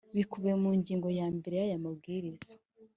bikubiye mu ngingo ya mbere y aya Mabwiriza